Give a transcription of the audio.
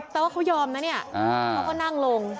ว่าเขายอมนะเนี่ยเขาก็นั่งลง